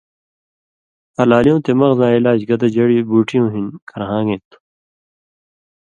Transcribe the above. ہلالیُوں تے مغزاں علاج گتہ جڑی بُوٹیُوں ہِن کرہان٘گَیں تھو